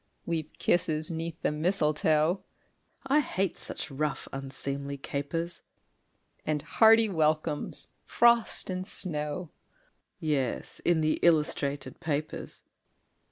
_) We've kisses 'neath the mistletoe (I hate such rough, unseemly capers!) And hearty welcomes, frost and snow; (_Yes, in the illustrated papers.